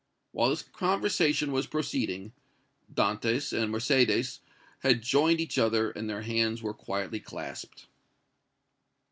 While this conversation was proceeding, Dantès and Mercédès had joined each other, and their hands were quietly clasped.